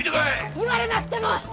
言われなくても！